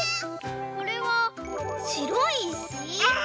これはしろいいし？